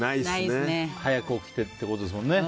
早く起きてってことですもんね。